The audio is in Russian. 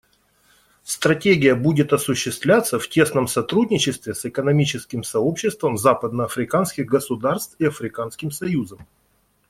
Стратегия будет осуществляться в тесном сотрудничестве с Экономическим сообществом западноафриканских государств и Африканским союзом.